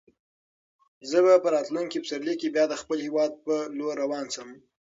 زه به په راتلونکي پسرلي کې بیا د خپل هیواد په لور روان شم.